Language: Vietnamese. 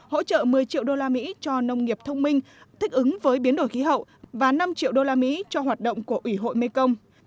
hỗ trợ một mươi triệu đô la mỹ cho nông nghiệp thông minh thích ứng với biến đổi khí hậu và năm triệu đô la mỹ cho hoạt động của ủy hội mekong